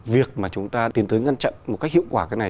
việc mà chúng ta tiến tới ngăn chặn một cách hiệu quả cái này